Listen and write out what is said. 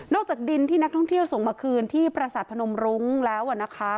จากดินที่นักท่องเที่ยวส่งมาคืนที่ประสาทพนมรุ้งแล้วนะคะ